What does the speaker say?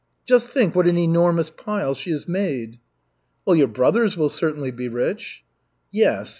Just think what an enormous pile she has made." "Well, your brothers will certainly be rich." "Yes.